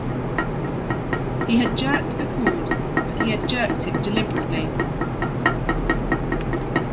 He had jerked the cord, but he had jerked it deliberately.